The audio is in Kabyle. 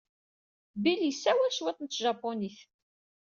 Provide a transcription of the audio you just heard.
Bill yessawal cwiṭ n tjapunit.